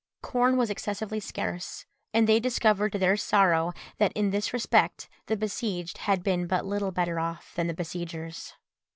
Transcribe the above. Corn was excessively scarce, and they discovered to their sorrow that in this respect the besieged had been but little better off than the besiegers.